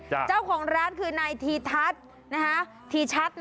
เจ้าของร้านคือนายทีทัศน์นะฮะ